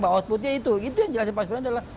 bahwa outputnya itu itu yang jelasin pak spriadi adalah